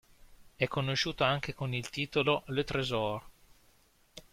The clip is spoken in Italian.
È conosciuto anche con il titolo "Le trésor".